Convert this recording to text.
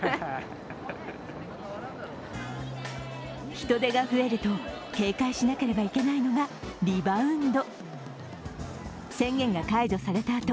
人出が増えると、警戒しなければいけないのがリバウンド。